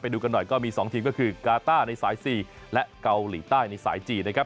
ดูกันหน่อยก็มี๒ทีมก็คือกาต้าในสาย๔และเกาหลีใต้ในสายจีนนะครับ